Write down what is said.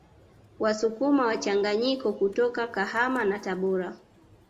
Wasukuma mchanganyiko kutoka Kahama na Tabora